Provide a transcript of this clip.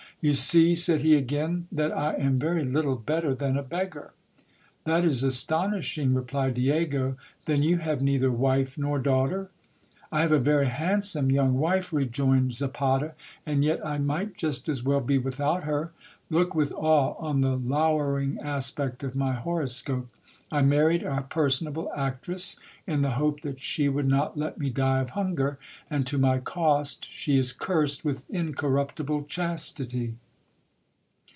You see, said he again, that I am very little better than a beggar. That is astonishing, replied Diego : then you have neither wife nor daughter ? I have a very handsome young wife, rejoined Zapata, and yet I might just as well be without her. Look with awe on the lowering aspect of my horoscope. I married a personable actress, in the hope that she would not let me die of hunger ; and, to my cost, she is cursed with incorruptible chastity.